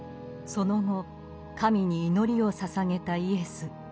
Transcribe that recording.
その後神に祈りを捧げたイエス。